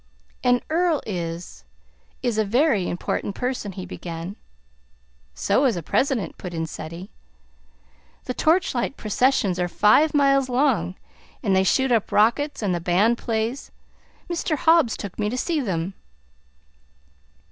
"An earl is is a very important person," he began. "So is a president!" put in Ceddie. "The torch light processions are five miles long, and they shoot up rockets, and the band plays! Mr. Hobbs took me to see them."